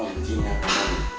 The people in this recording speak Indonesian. om jin yang ambil